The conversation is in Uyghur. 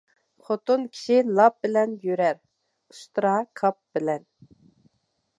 خوتۇن كىشى لاپ بىلەن يۈرەر، ئۇستىرا كاپ بىلەن.